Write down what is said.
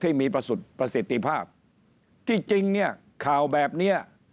ที่มีประสิทธิประสิทธิภาพที่จริงเนี่ยข่าวแบบเนี้ย